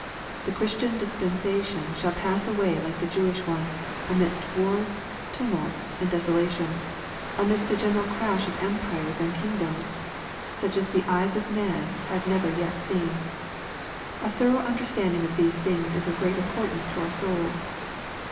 The Christian dispensation shall pass away like the Jewish one, amidst wars, tumults, and desolation, amidst a general crash of empires and king doms, such as the eyes of man have never yet seen. A thorough understanding of these things is of great importance to our souls.